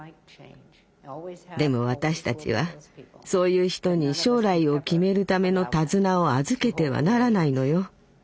でも私たちはそういう人に将来を決めるための手綱を預けてはならないのよ。